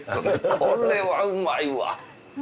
これはうまいわ。